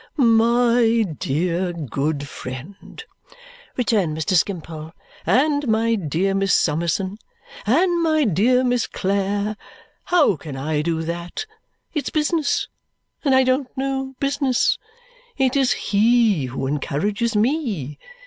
"My dear good friend," returned Mr. Skimpole, "and my dear Miss Simmerson, and my dear Miss Clare, how can I do that? It's business, and I don't know business. It is he who encourages me.